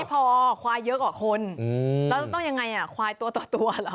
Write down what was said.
เธอข่ายเยอะกว่าคนแล้วต้องยังไงค่ะตัวต่อตัว